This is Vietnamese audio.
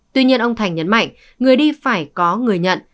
tuy nhiên ông thành nhấn mạnh người đi phải có người nhận